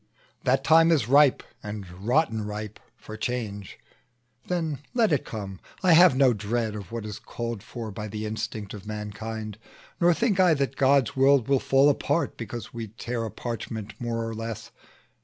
The time is ripe, and rotten ripe, for change; Then let it come: I have no dread of what Is called for by the instinct of mankind; Nor think I that God's world will fall apart, Because we tear a parchment more or less.